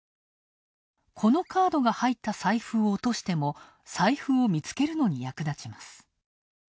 このカードが入った財布を落としても、財布を見つけるのに役立ちます。